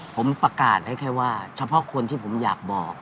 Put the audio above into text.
ผมประกาศให้แค่ว่าเฉพาะคนที่ผมอยากบอก